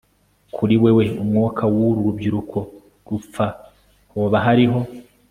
Kuri wewe umwuka wuru rubyiruko rupfa Hoba hariho